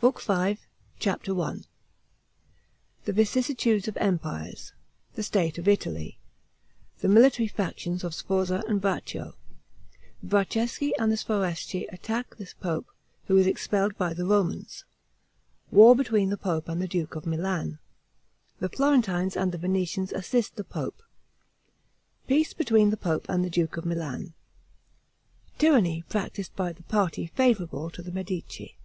BOOK V CHAPTER I The vicissitudes of empires The state of Italy The military factions of Sforza and Braccio The Bracceschi and the Sforzeschi attack the pope, who is expelled by the Romans War between the pope and the duke of Milan The Florentines and the Venetians assist the pope Peace between the pope and the duke of Milan Tyranny practiced by the party favorable to the Medici.